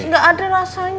nggak ada rasanya